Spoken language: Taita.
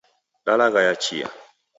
Dalaghaya chia.